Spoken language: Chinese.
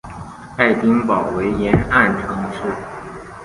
爱丁堡为沿岸城市。